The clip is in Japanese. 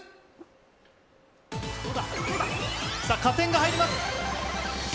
加点が入ります。